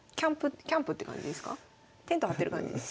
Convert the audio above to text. テント張ってる感じですか？